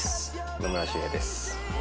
野村周平です。